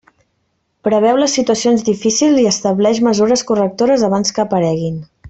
Preveu les situacions difícils i estableix mesures correctores abans que apareguin.